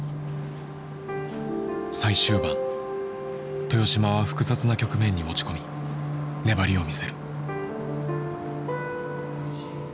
最終盤豊島は複雑な局面に持ち込み粘りを見せる。